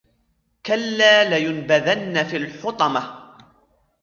كَلَّا ۖ لَيُنبَذَنَّ فِي الْحُطَمَةِ